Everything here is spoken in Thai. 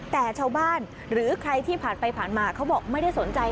แต่ชาวบ้านหรือใครที่ผ่านไปผ่านมาเขาบอกไม่ได้สนใจ